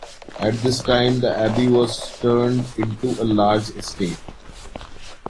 At this time, the abbey was turned into a large estate.